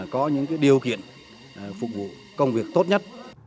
có những điều kiện phục vụ công việc tốt nhất